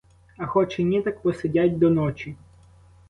А хоч і ні, так посидять до ночі.